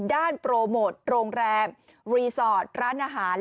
โปรโมทโรงแรมรีสอร์ทร้านอาหาร